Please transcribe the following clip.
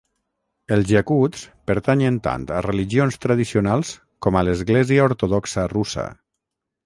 Els iacuts pertanyen tant a religions tradicionals com a l'església ortodoxa russa.